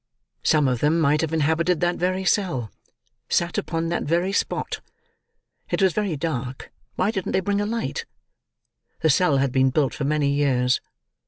Some of them might have inhabited that very cell—sat upon that very spot. It was very dark; why didn't they bring a light? The cell had been built for many years.